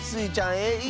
えい！